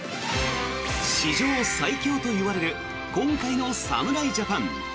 史上最強といわれる今回の侍ジャパン。